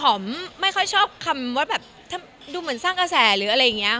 ไม่ค่อยชอบคำว่าแบบดูเหมือนสร้างกระแสหรืออะไรอย่างนี้